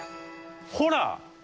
ほら！